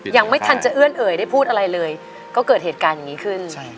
ยังไม่ทันจะเอื้อนเอ่ยได้พูดอะไรเลยก็เกิดเหตุการณ์อย่างนี้ขึ้น